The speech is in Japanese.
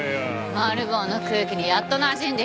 マル暴の空気にやっとなじんできたのに。